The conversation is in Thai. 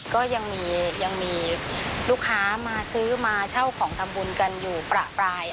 ก็ยังมีลูกค้ามาซื้อมาเช่าของทำบุญกันอยู่ประปราย